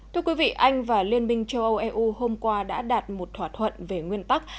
thưa quý vị anh và liên minh châu âu eu hôm qua đã đạt một thỏa thuận về nguyên tắc